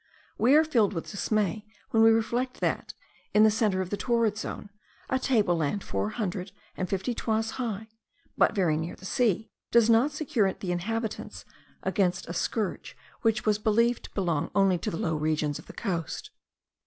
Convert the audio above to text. We are filled with dismay when we reflect that, in the centre of the torrid zone, a table land four hundred and fifty toises high, but very near the sea, does not secure the inhabitants against a scourge which was believed to belong only to the low regions of the coast.